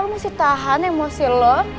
lu mesti tahan emosi lu